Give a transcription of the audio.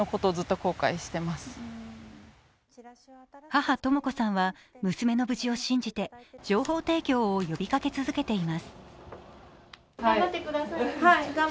母・とも子さんは娘の無事を信じて、情報提供を呼びかけ続けています。